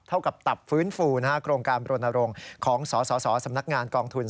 เท่ากับตับฟื้นฟูโครงการบรณรงค์ของสสสำนักงานกองทุน